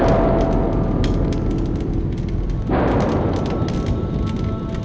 aku lebih loin isolated